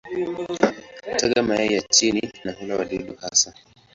Hutaga mayai yao chini na hula wadudu hasa.